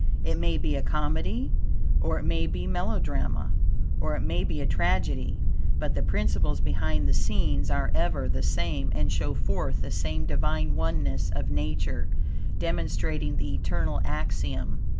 It may be a comedy, or it may be melodrama, or it may be a tragedy; but the principles behind the scenes are ever the same, and show forth the same Divine Oneness of Nature; demonstrating the eternal axiom.